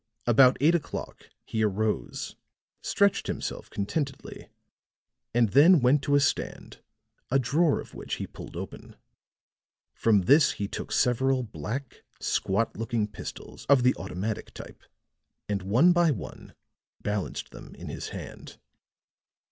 About eight o'clock he arose, stretched himself contentedly, and then went to a stand, a drawer of which he pulled open. From this he took several black, squat looking pistols of the automatic type, and one by one balanced them in his hand.